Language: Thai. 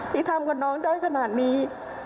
ที่ทำกับน้องได้ขนาดนี้